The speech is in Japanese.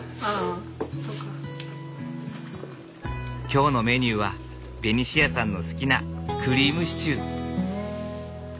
今日のメニューはベニシアさんの好きなクリームシチュー。